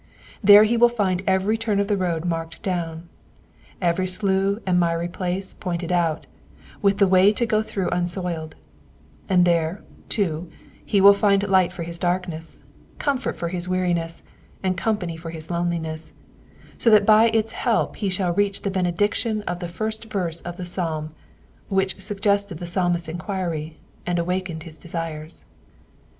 There he will find every turn of the road marked down, every slough and miry place pointed out, with the way to go through unsoiled ; and there, too, he will find light for his darkness, comfort for his weariness, and company for his loneliness, so that by its help he shall reach the benediction of the first verse of the psalm, which suggested the psalmist^s enquiry, and awakened his desires.